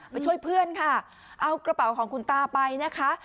ไปช่วยเพื่อนค่ะเอากระเป๋าของคุณตาไปนะคะ